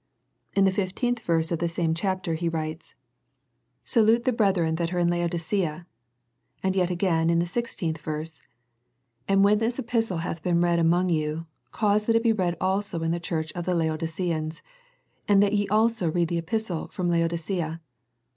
In the fifteenth verse of the same chapter he writes " Salute The Laodicea Letter 187 the brethren that are in Laodicea," and yet again in the sixteenth verse, " And when this epistle hath been read among you, cause that it be read also in the church of the Laodiceans ; and that ye also read the epistle from Laodi cea."